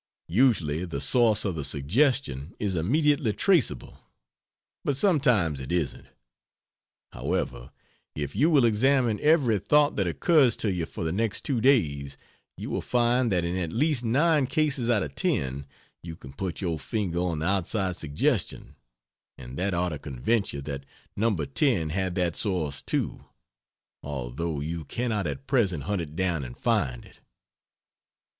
Usually the source of the suggestion is immediately traceable, but sometimes it isn't. However, if you will examine every thought that occurs to you for the next two days, you will find that in at least nine cases out of ten you can put your finger on the outside suggestion And that ought to convince you that No. 10 had that source too, although you cannot at present hunt it down and find it.